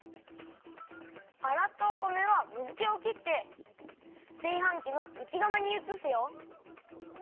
あらったお米は水けをきってすいはんきのうちがまにうつすよ。